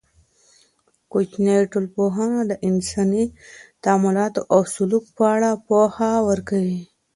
کوچنۍ ټولنپوهنه د انساني تعاملاتو او سلوک په اړه پوهه ورکوي.